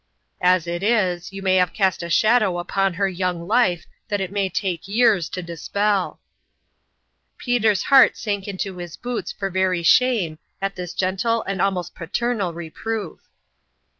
As it is, you may have cast a shadow upon her young Life that it may take years to dispel !" Peter's heart sank into his boots for very shame at this gentle and almost paternal re proof.